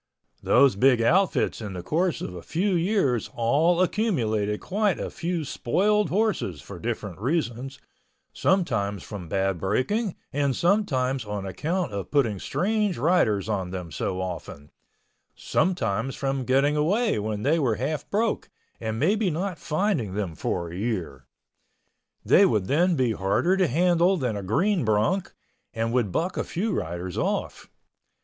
Those big outfits in the course of a few years all accumulated quite a few spoiled horses for different reasons, sometimes from bad breaking and sometimes on account of putting strange riders on them so often, sometimes from getting away when they were half broke, and maybe not finding them for a year. They would then be harder to handle than a green bronc and would buck a few riders off.